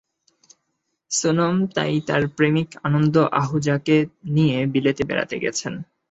সোনম তাই তাঁর প্রেমিক আনন্দ আহুজাকে নিয়ে বিলেতে বেড়াতে গেছেন।